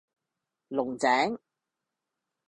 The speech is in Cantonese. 龍井